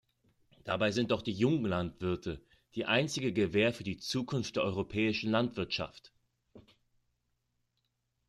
Dabei sind doch die Junglandwirte die einzige Gewähr für die Zukunft der europäischen Landwirtschaft.